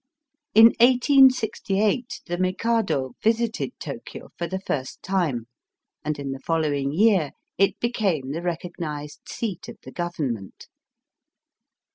In 1868 the Mikado visited Tokio for the first time, and in the following year it became the recognized seat of the Government.